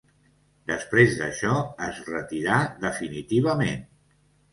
Després d'això, es retirà definitivament.